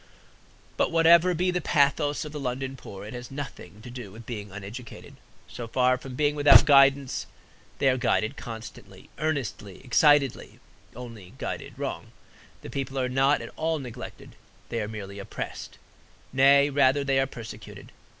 But whatever be the pathos of the London poor, it has nothing to do with being uneducated. So far from being without guidance, they are guided constantly, earnestly, excitedly; only guided wrong. The poor are not at all neglected, they are merely oppressed; nay, rather they are persecuted.